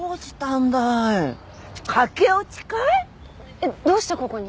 えっ？どうしてここに？